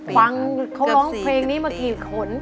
ฟังเขาร้องเพลงนี้มากี่ขน